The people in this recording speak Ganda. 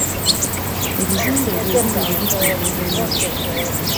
Ebizimbe ebyo ebibiri bifaanagana.